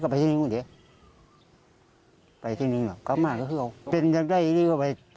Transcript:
พ่อไปทหารให้ทหารเป็นผู้รับผิดสอบโดยตรงครับชาติ